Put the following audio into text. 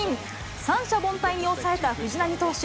三者凡退に抑えた藤浪投手。